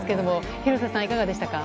廣瀬さん、いかがでしたか？